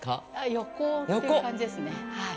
横という感じですね。